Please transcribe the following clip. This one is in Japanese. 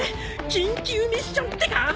緊急ミッションってか！？